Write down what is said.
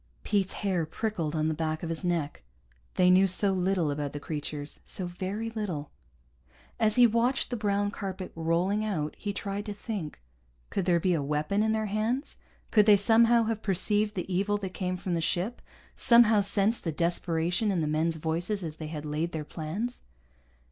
Pete's hair prickled on the back of his neck. They knew so little about the creatures, so very little. As he watched the brown carpet rolling out, he tried to think. Could there be a weapon in their hands, could they somehow have perceived the evil that came from the ship, somehow sensed the desperation in the men's voices as they had laid their plans?